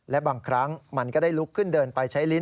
และบางครั้งมันก็ได้ลุกขึ้นเดินไปใช้ลิ้น